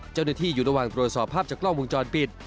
เจ้าหน้าที่อยู่ระหว่างตรวจสอบภาพจากกล้องวงจรปิด